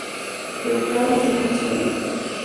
Pero cada uno tenemos nuestra vida.